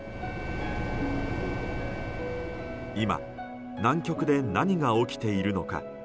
今、南極で何が起きているのか。